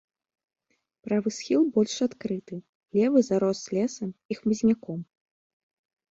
Правы схіл больш адкрыты, левы зарос лесам і хмызняком.